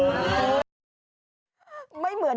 โอ้ยอย่าได้อันนี้มาก